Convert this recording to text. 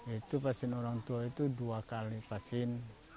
itu pasien orang tua itu dua kali vaksin